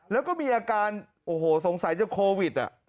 แล้วก็มีอาการโอ้โหสงสัยจะโควิด